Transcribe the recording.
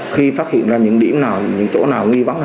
khi phát hiện ra những điểm nào những chỗ nào nghi vấn